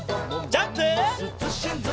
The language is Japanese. ジャンプ！